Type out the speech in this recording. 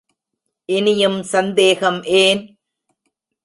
இனியும் சந்தேகம் ஏன்?